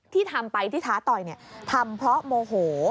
ที่ทำไปที่ท้าต่อยทำเพราะโมโห